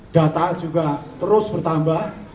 data juga terus bertambah